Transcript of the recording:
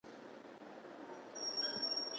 حجره هسته سایتوپلازم او حجروي غشا لري